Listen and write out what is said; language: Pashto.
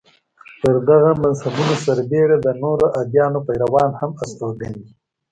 پر دغو مذهبونو سربېره د نورو ادیانو پیروان هم استوګن دي.